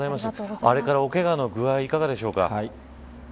あれからおけがの具合いかがですか。